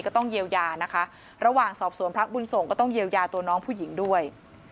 ก็ต้องเยียวยานะคะระหว่างสอบสวนพระบุญสงฆ์ก็ต้องเยียวยาตัวน้องผู้หญิงด้วย